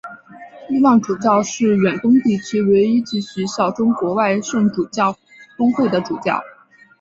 伊望主教是远东地区唯一继续效忠国外圣主教公会的主教。